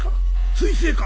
彗星か？